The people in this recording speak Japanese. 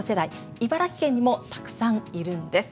茨城県にもたくさんいるんです。